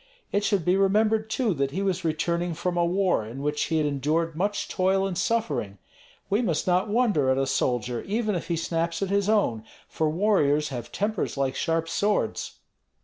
It should be remembered too that he was returning from a war in which he endured much toil and suffering. We must not wonder at a soldier, even if he snaps at his own, for warriors have tempers like sharp swords."